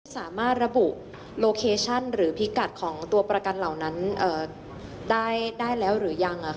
สามารถระบุโลเคชั่นหรือพิกัดของตัวประกันเหล่านั้นได้แล้วหรือยัง